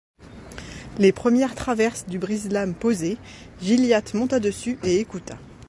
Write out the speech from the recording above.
Les premières traverses du brise-lames posées, Gilliatt monta dessus et écouta.